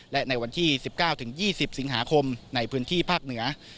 และในวันที่๑๙๒๐สิงหาคมในพื้นที่ภาคเหนือ